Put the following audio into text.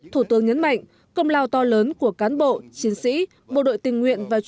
thủ tướng nhấn mạnh công lao to lớn của cán bộ chiến sĩ bộ đội tình nguyện